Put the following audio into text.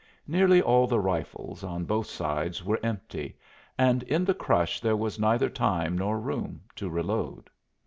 Nearly all the rifles on both sides were empty and in the crush there was neither time nor room to reload.